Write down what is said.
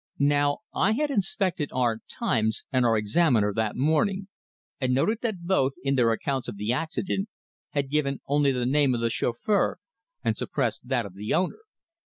Now, I had inspected our "Times" and our "Examiner" that morning, and noted that both, in their accounts of the accident, had given only the name of the chauffeur, and suppressed that of the owner.